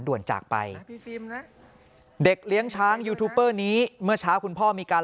ด่วนจากไปเด็กเลี้ยงช้างยูทูปเปอร์นี้เมื่อเช้าคุณพ่อมีการ